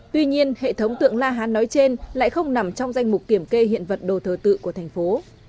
tuy nhiên hệ thống tượng la hán nói trên lại không nằm trong danh mục kiểm kê hiện vật đồ thờ tự của thành phố